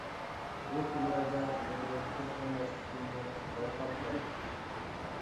بۇ كۈنلەردە مېنىڭ قىز ئەمەسلىكىمنى بايقاپ قالدۇق.